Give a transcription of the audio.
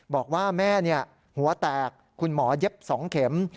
บอกว่าแม่เนี่ยหัวแตกคุณหมอเย็บสองเข็ม